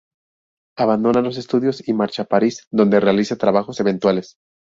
Abandona los estudios y marcha a París donde realiza trabajos eventuales.